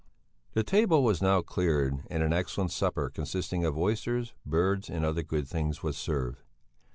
The table was now cleared and an excellent supper consisting of oysters, birds, and other good things, was served.